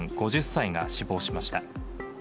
５０歳が死亡しました。